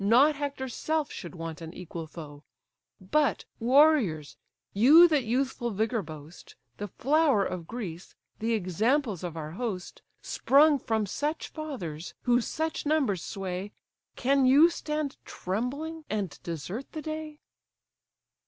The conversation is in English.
Not Hector's self should want an equal foe. But, warriors, you that youthful vigour boast, The flower of Greece, the examples of our host, Sprung from such fathers, who such numbers sway, Can you stand trembling, and desert the day?"